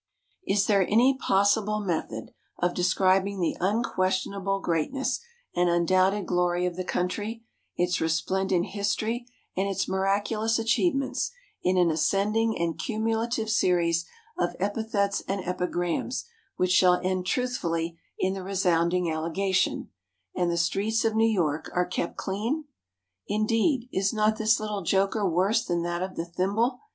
Is there any possible method of describing the unquestionable greatness and undoubted glory of the country, its resplendent history and its miraculous achievements, in an ascending and cumulative series of epithets and epigrams which shall end truthfully in the resounding allegation, "and the streets of New York are kept clean"? Indeed, is not this little joker worse than that of the thimble?